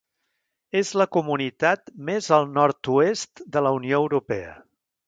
És la comunitat més al nord-oest de la Unió Europea.